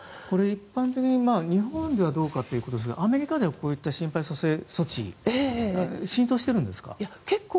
一般的に日本ではどうか分かりませんがアメリカではこういった心肺蘇生措置浸透しているんですか？